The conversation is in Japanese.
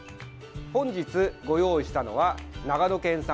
本日ご用意したのは長野県産。